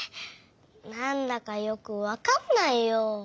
なんだかよくわかんないよ！